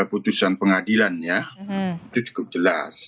dan putusan pengadilannya itu cukup jelas